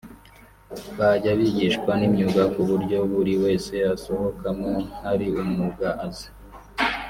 bajya bigishwa n’imyuga ku buryo buri wese asohokamo hari umwuga azi